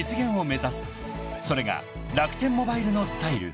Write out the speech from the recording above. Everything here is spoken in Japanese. ［それが楽天モバイルのスタイル］